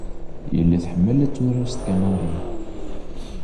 Yelli tḥemmel ad turar s teknarin.